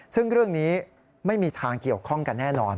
ซึ่งเรื่องนี้ไม่มีทางเกี่ยวข้องกันแน่นอน